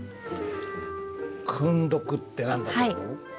「訓読」って何だと思う？